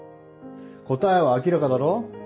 答えは明らかだろ。